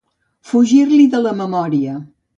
Fugir-l'hi de la memòria.